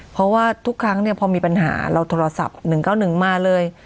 เพราะว่าทุกครั้งเนี้ยพอมีปัญหาเราโทรศัพท์หนึ่งเก้าหนึ่งมาเลย